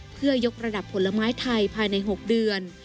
เพื่อยกระดับผลไม้ไทยภายใน๖เดือน